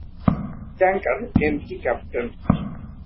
Tanker MT "captain."